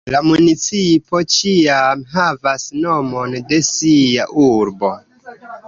La municipo ĉiam havas nomon de sia urbo.